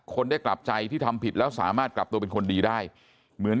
ได้กลับใจที่ทำผิดแล้วสามารถกลับตัวเป็นคนดีได้เหมือน